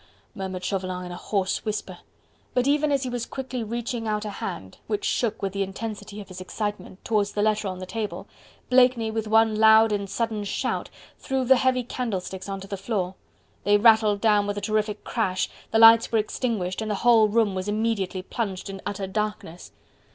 murmured Chauvelin in a hoarse whisper. But even as he was quickly reaching out a hand, which shook with the intensity of his excitement, towards the letter on the table, Blakeney, with one loud and sudden shout, threw the heavy candlesticks onto the floor. They rattled down with a terrific crash, the lights were extinguished, and the whole room was immediately plunged in utter darkness.